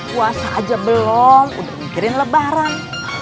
puasa aja belum udah mikirin lebaran